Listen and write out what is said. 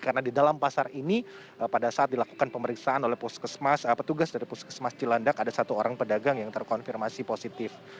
karena di dalam pasar ini pada saat dilakukan pemeriksaan oleh petugas dari puskesmas cilandak ada satu orang pedagang yang terkonfirmasi positif